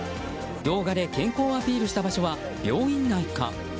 動画で健康アピールした場所は病院内か。